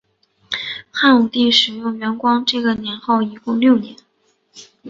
汉武帝使用元光这个年号一共六年。